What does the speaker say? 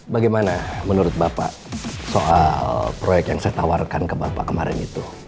bagaimana menurut bapak soal proyek yang saya tawarkan ke bapak kemarin itu